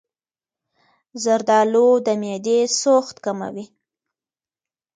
زردآلو د معدې سوخت کموي.